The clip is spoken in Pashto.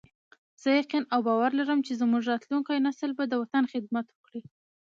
زه یقین او باور لرم چې زموږ راتلونکی نسل به د وطن خدمت وکړي